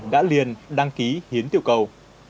đã liền đăng ký hiến tiêu cầu